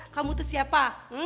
kamu tuh siapa